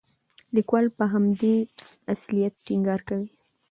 لیکوال پر همدې اصالت ټینګار کوي.